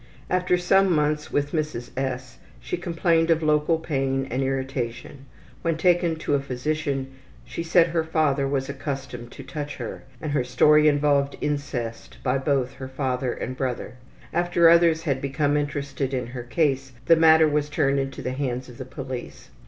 After some months with Mrs. S. she complained of local pain and irritation. When taken to a physician, she said her father was accustomed to touch her, and her story involved incest by both her father and brother. After others had become interested in her case, the matter was turned into the hands of the police.